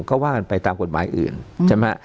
ก็ว่ากันไปตามกฎหมายอื่นใช่ไหมฮะ